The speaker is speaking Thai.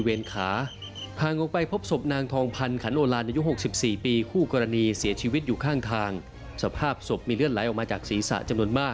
เฮ้ยเขาหลบอะน๊ะหลบปั๊บแล้วก็ตามตีทเข้ามา